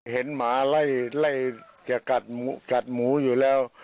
เห็นหมาไล่ไล่จะกัดหมูอยู่แล้ว